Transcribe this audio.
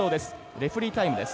レフェリータイムです。